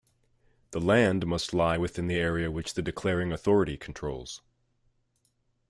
The land must lie within the area which the declaring authority controls.